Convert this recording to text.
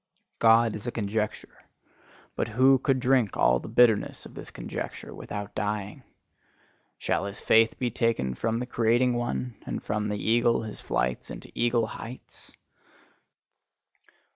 God is a conjecture: but who could drink all the bitterness of this conjecture without dying? Shall his faith be taken from the creating one, and from the eagle his flights into eagle heights?